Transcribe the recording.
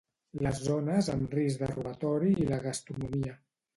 les zones amb risc de robatori i la gastronomia